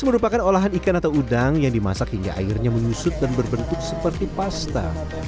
merupakan olahan ikan atau udang yang dimasak hingga airnya menyusut dan berbentuk seperti pasta